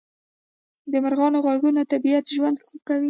د مرغانو غږونه طبیعت ژوندی کوي